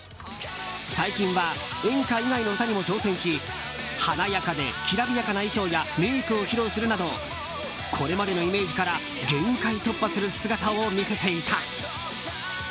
最近は演歌以外の歌にも挑戦し華やかで、きらびやかな衣装やメイクを披露するなどこれまでのイメージから限界突破する姿を見せていた。